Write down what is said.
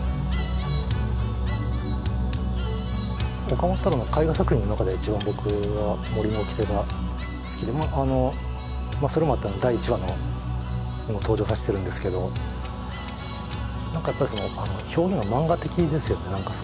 岡本太郎の絵画作品の中で一番僕は「森の掟」が好きでそれもあって第１話にも登場させてるんですけど何かやっぱり表現が漫画的ですよね。